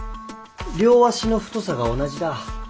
両足の太さが同じだ。